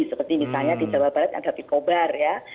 seperti misalnya di jawa barat ada pikobar ya